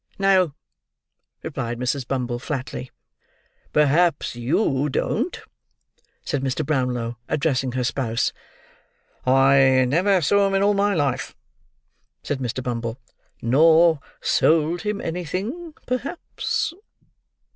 "No," replied Mrs. Bumble flatly. "Perhaps you don't?" said Mr. Brownlow, addressing her spouse. "I never saw him in all my life," said Mr. Bumble. "Nor sold him anything, perhaps?"